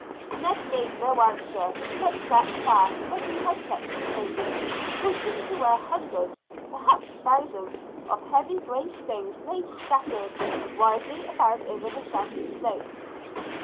Ned made no answer, but sat fast where he had checked his pony, pointing to where hundreds, perhaps thousands, of heavy grey stones lay scattered widely about over the sandy slope.